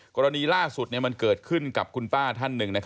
กรณีล่าสุดมันเกิดขึ้นกับคุณป้าท่านหนึ่ง